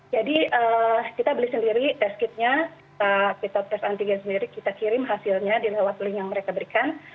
jadi kita beli sendiri test kitnya kita tes antigen sendiri kita kirim hasilnya di lewat link yang mereka berikan